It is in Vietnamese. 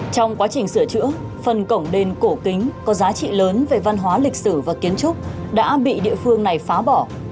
trong quá trình sửa chữa phần cổng đền cổ kính có giá trị lớn về văn hóa lịch sử và kiến trúc đã bị địa phương này phá bỏ